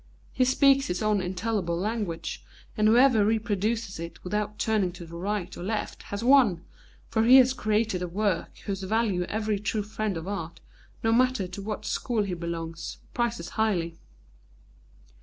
He speaks his own intelligible language, and whoever reproduces it without turning to the right or left has won, for he has created a work whose value every true friend of art, no matter to what school he belongs, prizes highly.